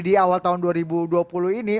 di awal tahun dua ribu dua puluh ini